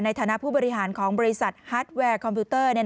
ในฐานะผู้บริหารของบริษัทฮัตแวร์คอมพิวเตอร์